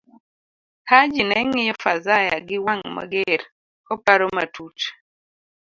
Haji neng'iyo Fazaya giwang ' mager, koparo matut.